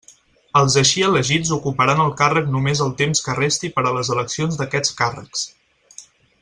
Els així elegits ocuparan el càrrec només el temps que resti per a les eleccions d'aquests càrrecs.